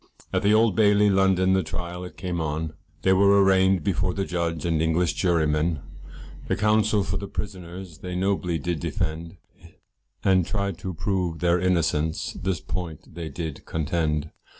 At the Old Bailey, London, the trial it came on, They were arraigned before the judge and English jurymen, The counsel for the prisoners they nobly did defend, And tried to prove their innocence, this point they did contend.